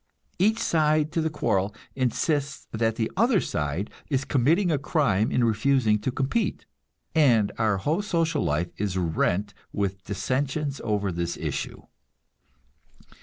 Each side to the quarrel insists that the other side is committing a crime in refusing to compete, and our whole social life is rent with dissensions over this issue.